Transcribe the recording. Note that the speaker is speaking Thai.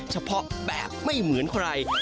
เฉพาะแบบไม่เหมือนใคร